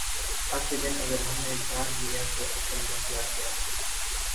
آج کے دن اگر ہم نے جان لیا کہ اصل مسئلہ کیا ہے۔